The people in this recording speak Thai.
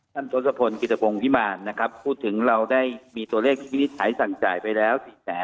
ท่านโทษภนธ์กิจกรรมวิมานพูดถึงเราได้มีตัวเลขวินิจฉัยสั่งจ่ายไปแล้ว